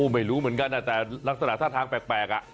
ไม่รู้เหมือนกันแต่ลักษณะท่าทางแปลก